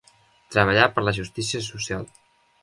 Treballar per la justícia social.